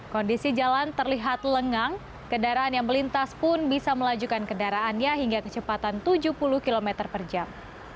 kondisi jalan terlihat lengang kendaraan yang melintas pun bisa melajukan kendaraannya hingga kecepatan tujuh puluh km per jam